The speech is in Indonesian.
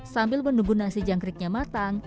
sambil menunggu nasi jangkriknya matang